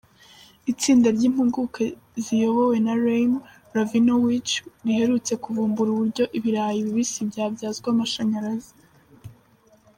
Itsinda ry’impuguke ziyobowe na Raim Ravinowitch riherutse kuvumbura uburyo ibirayi bibisi byabyazwa amashanyarazi.